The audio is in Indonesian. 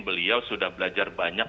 beliau sudah belajar banyak